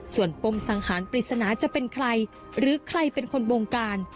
ส่วนปมสังหารปริศนาจะเป็นใครหรือใครเป็นคนบงการ